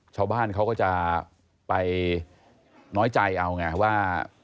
ชาวบ้านเขาก็จะไปน้อยใจเอาไงว่า